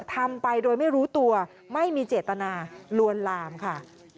ทำไปโดยไม่รู้ตัวไม่มีเจตนาลวนลามค่ะ